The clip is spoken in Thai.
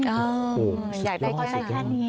โอ้โหย่อสิแค่นี้